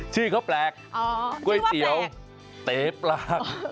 ชื่อเขาแปลกก๋วยเตี๋ยวเต๋ปลา